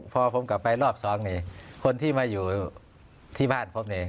พอผมกลับไปรอบสองนี่คนที่มาอยู่ที่บ้านผมนี่